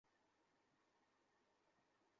তাহলে তুই কোন প্ল্যান করিসনি?